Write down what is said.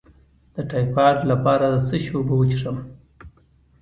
د ټایفایډ لپاره د څه شي اوبه وڅښم؟